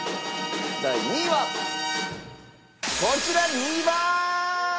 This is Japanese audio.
第２位はこちら２番！